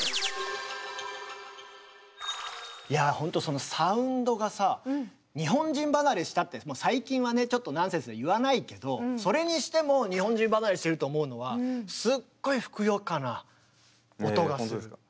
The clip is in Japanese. いやあほんとそのサウンドがさ日本人離れしたってもう最近はねちょっとナンセンスで言わないけどそれにしても日本人離れしてると思うのはいやいやほんとですか。